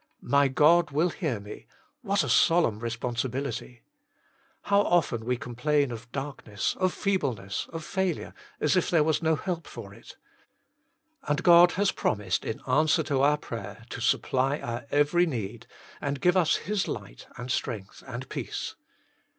" My God will hear me" What a solemn responsi bility! How often we complain of darkness, of feeble ness, of failure, as if there was no help for it. And God has promised in answer to our prayer to supply our every need, and give us His light and strength and peace.